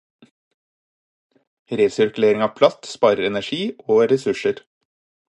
Resirkulering av plast sparer energi og ressurser.